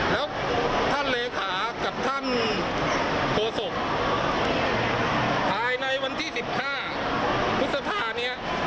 แล้วท่านเลขากับท่านโทษกภายในวันที่สิบห้ามุษฎาเนี้ย